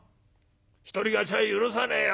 一人勝ちは許さねえよ』